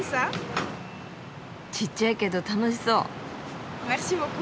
ちっちゃいけど楽しそう。